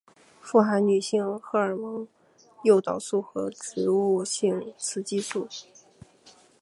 富含女性荷尔蒙诱导素和植物性雌激素。